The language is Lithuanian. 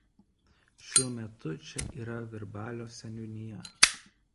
Šiuo metu čia yra Virbalio seniūnija.